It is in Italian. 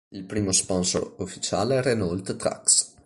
Il primo sponsor ufficiale è Renault Trucks.